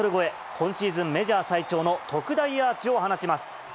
今シーズンメジャー最長の特大アーチを放ちます。